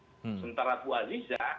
sementara pak bu aziza